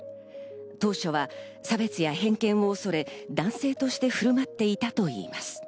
当初は差別や偏見を恐れ、男性として振る舞っていたといいます。